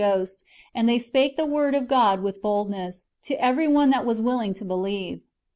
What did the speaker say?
Ghost, and they spake the word of God with boldness "^ to every one that was wiUing to believe.